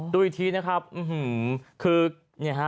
ดูอีกทีนะครับคือเนี่ยฮะ